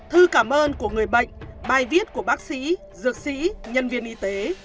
thư cảm ơn của người bệnh bài viết của bác sĩ dược sĩ nhân viên y tế